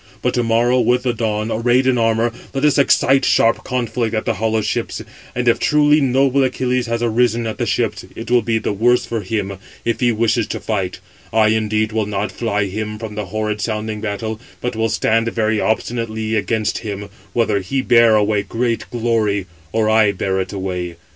But to morrow, with the dawn, arrayed in armour, let us excite sharp conflict at the hollow ships, and if truly noble Achilles has arisen at the ships, it will be the worse for him, if he wishes [to fight]: I indeed will not fly him from the horrid sounding battle, but will stand very obstinately against him, whether he bear away great glory, or I bear it away.